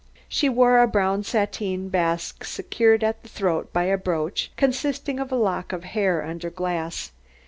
She wore a brown sateen basque secured at the throat by a brooch consisting of a lock of hair under glass.